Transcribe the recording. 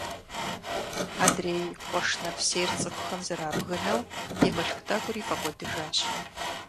Адрей къуэш нэпсейр цӀыхухэм зэрабгынэу, и мылъку тӀэкӀури фӀэкӀуэдыжащ.